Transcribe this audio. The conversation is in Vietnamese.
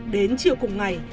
đến chiều cùng ngày